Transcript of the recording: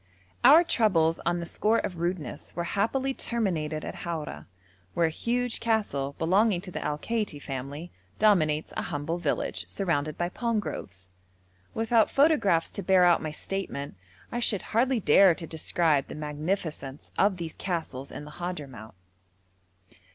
Our troubles on the score of rudeness were happily terminated at Haura, where a huge castle, belonging to the Al Kaiti family, dominates a humble village, surrounded by palm groves. Without photographs to bear out my statement, I should hardly dare to describe the magnificence of these castles in the Hadhramout.